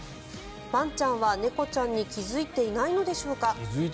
ワンちゃんは猫ちゃんに気付いていないのでしょうか。